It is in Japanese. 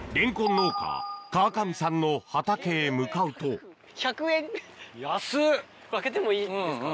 農家川上さんの畑へ向かうと開けてもいいですか？